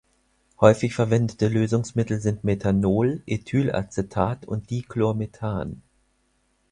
Häufig verwendete Lösungsmittel sind Methanol, Ethylacetat und Dichlormethan.